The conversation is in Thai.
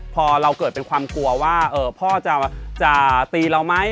พอเราเกิดเป็นความกลัวว่าพ่อจะตีเราไหม